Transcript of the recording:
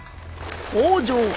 北条。